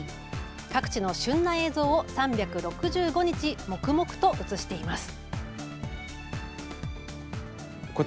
各地の旬な映像を３６５日、黙々と映しています。